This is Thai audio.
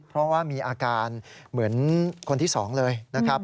เพราะว่ามีอาการเหมือนคนที่๒เลยนะครับ